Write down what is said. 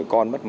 con mất mẹ